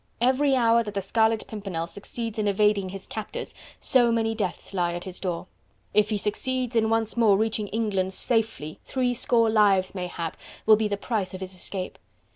Every hour that the Scarlet Pimpernel succeeds in evading his captors so many deaths lie at his door. If he succeeds in once more reaching England safely three score lives mayhap will be the price of his escape....